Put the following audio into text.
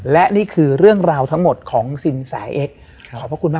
และวันนี้แขกรับเชิญที่จะมาเยี่ยมในรายการสถานีผีดุของเรา